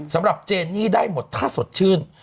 สำหรับเจนนี่ได้หมดท่าสดชื่น